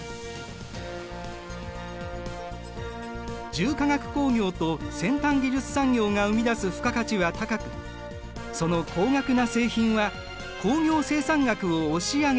重化学工業と先端技術産業が生み出す付加価値は高くその高額な製品は工業生産額を押し上げる。